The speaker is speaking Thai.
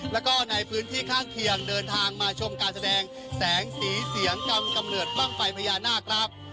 แล้วก็ในพื้นที่ข้างเคียงเดินทางมาชมการแสดงแสงสีเสียงกำกำเนิดบ้างไฟพญานาคครับ